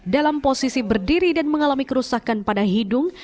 dalam posisi berdiri dan mengalami kerusakan pada hidung